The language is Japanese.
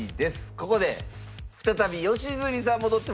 ここで再び良純さん戻ってまいりました。